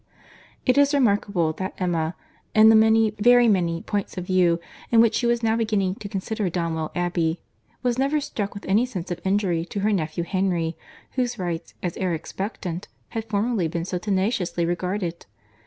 It is remarkable, that Emma, in the many, very many, points of view in which she was now beginning to consider Donwell Abbey, was never struck with any sense of injury to her nephew Henry, whose rights as heir expectant had formerly been so tenaciously regarded.